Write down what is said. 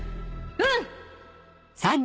うん！